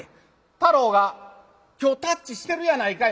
太郎が今日たっちしてるやないかい。